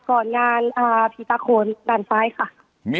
ก่อนงานผีตาโคนด้านซ้ายค่ะ